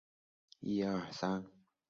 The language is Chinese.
另有四分之三降号表示。